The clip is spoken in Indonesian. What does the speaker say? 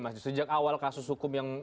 mas di sejak awal kasus hukum yang